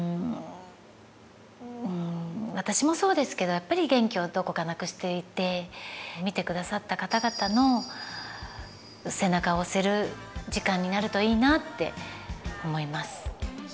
私もそうですけどやっぱり元気をどこかなくしていて見てくださった方々の背中を押せる時間になるといいなって思います。